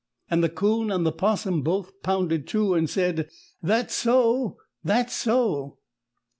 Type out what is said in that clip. And the 'Coon and the 'Possum both pounded too and said "That's so! That's so!"